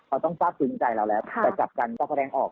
เขาต้องฟักคืนใจเราแล้วแต่จับกันก็แรงออก